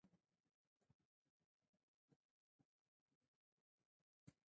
د قانون مراعت سوله ساتي